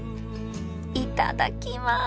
いただきます！